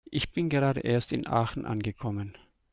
Ich bin gerade erst in Aachen angekommen